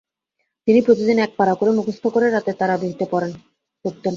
তিনি প্রতিদিন এক পারা করে মুখস্থ করে রাতে তারাবীহতে পড়তেন।